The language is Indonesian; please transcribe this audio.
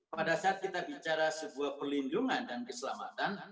pada saat kita bicara sebuah perlindungan dan keselamatan